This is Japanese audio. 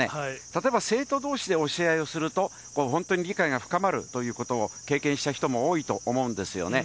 例えば生徒どうしで教え合いをすると、本当に理解が深まるということを経験した人も多いと思うんですよね。